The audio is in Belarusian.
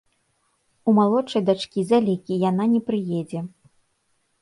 У малодшай дачкі залікі, яна не прыедзе.